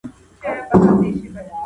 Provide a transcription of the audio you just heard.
مونږ بايد د دوی له حاله ځان خبر کړو.